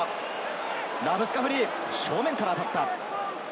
ラブスカフニ、正面から当たった。